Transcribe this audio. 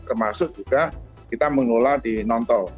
termasuk juga kita mengelola di non tol